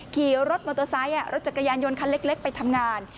ขี่รถมอเตอร์ไซค์รถจักรยานยนต์คันเล็กไปทำงาน